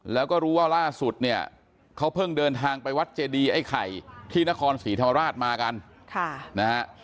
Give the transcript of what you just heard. แล้วก็รู้ว่าล่าสุดเนี่ยเขาเพิ่งเดินทางไปวัดเจดีไอ้ไข่ที่นครศรีธรรมราชมากันนะฮะ